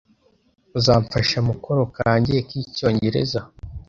Uzamfasha mukoro kanjye k'icyongereza?